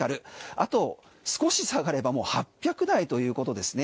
あと少し下がればもう８００台ということですね。